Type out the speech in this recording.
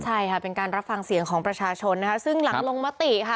ใช่ค่ะเป็นการรับฟังเสียงของประชาชนนะคะซึ่งหลังลงมติค่ะ